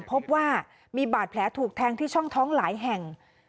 พบว่ามีบาดแผลถูกแทงที่ช่องท้องหลายแห่ง